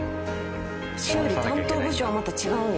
修理担当部署はまた違うんや。